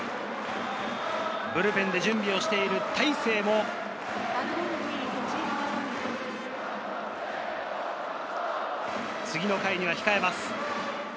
ブルペンで準備をしている大勢も次の回には控えます。